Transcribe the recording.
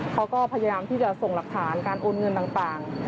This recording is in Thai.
เขาก็พยายามที่จะส่งหลักฐานการโอนเงินต่าง